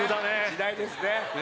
時代ですね。